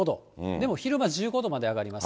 でも昼間１５度まで上がります。